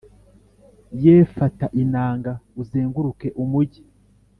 Ye fata inanga uzenguruke umugi